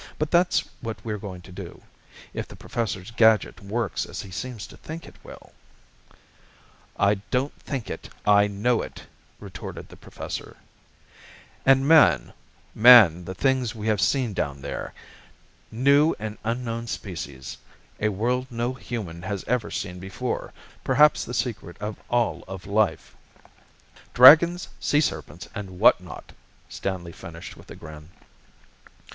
"But that's what we're going to do if the Professor's gadget works as he seems to think it will." "I don't think it, I know it," retorted the Professor. "And man, man, the things we may see down there! New and unknown species a world no human has ever seen before perhaps the secret of all of life " "Dragons, sea serpents, and what not!" Stanley finished with a grin.